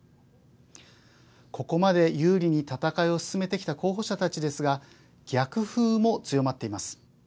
ここまで有利に戦いを進めてきた候補者たちですが逆風も強まっています。